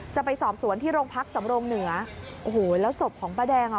จะไปสอบสวนที่โรงพักสำรงเหนือโอ้โหแล้วศพของป้าแดงอ่ะ